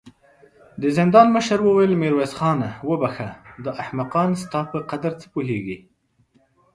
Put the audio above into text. د زندان مشر وويل: ميرويس خانه! وبخښه، دا احمقان ستا په قدر څه پوهېږې.